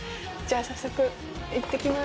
早速いってきます。